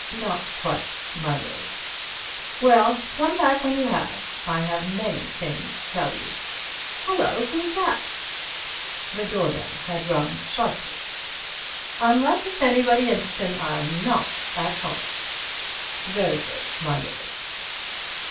"Not quite, my lord." "Well, come back when you have. I have many things to tell you. Hullo! who's that?" The doorbell had rung sharply. "Unless it's anybody interestin' I'm not at home." "Very good, my lord."